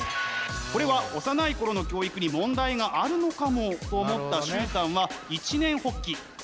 これは幼い頃の教育に問題があるのかもと思った崇さんは一念発起。